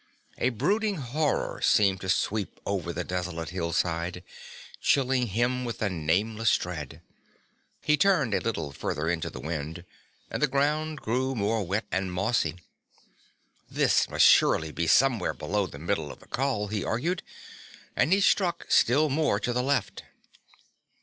A brooding horror seemed to sweep over the desolate hillside, chilling him with a nameless dread. He turned a little further into the wind and the ground grew more wet and mossy. This must surely be somewhere below the middle of the col, he argued, and he struck still more to the left.